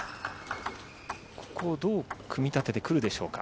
ここをどう組み立ててくるでしょうか。